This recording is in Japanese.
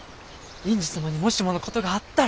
院主様にもしものことがあったら！